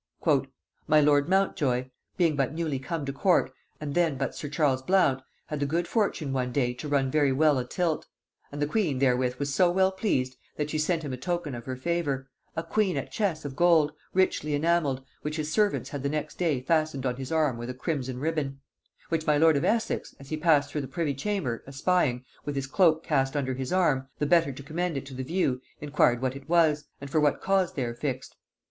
"My lord Montjoy, being but newly come to court, and then but sir Charles Blount, had the good fortune one day to run very well a tilt; and the queen therewith was so well pleased, that she sent him a token of her favor, a queen at chess of gold, richly enamelled, which his servants had the next day fastened on his arm with a crimson ribbon; which my lord of Essex, as he passed through the privy chamber, espying, with his cloak cast under his arm, the better to commend it to the view, enquired what it was, and for what cause there fixed.